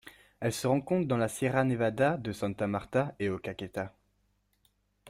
Elle se rencontre dans la Sierra Nevada de Santa Marta et au Caquetá.